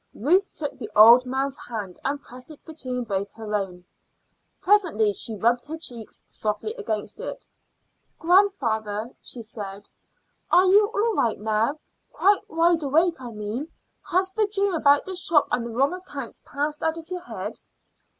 Ruth took the old man's hand and pressed it between both her own. Presently she rubbed her cheeks softly against it. "Grandfather," she said, "are you all right now quite wide awake, I mean? Has the dream about the shop and the wrong accounts passed out of your head?"